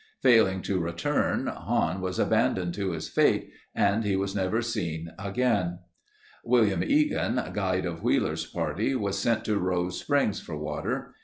Failing to return Hahn was abandoned to his fate and he was never seen again. William Eagan, guide of Wheeler's party was sent to Rose Springs for water.